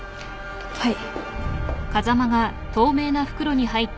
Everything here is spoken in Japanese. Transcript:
はい。